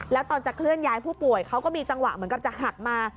แล้วตอนจะเคลื่อนย้ายผู้ป่วยเขาก็มีจังหวะเหมือนกับจะหักมา